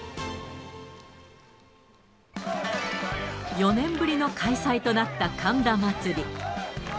４年ぶりの開催となった神田祭。